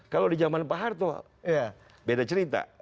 kalau di zaman pak harto ya beda cerita